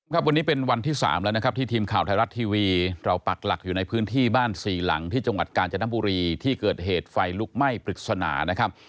ครับวันนี้เป็นวันที่๓แล้วนะครับที่ทีมข่าวไทยรัฐทีวีเราปักหลักอยู่ในพื้นที่บ้านสี่หลังที่จังหวัดกาญจนบุรีที่เกิดเหตุไฟลุกไหม้ปริศนานะครับ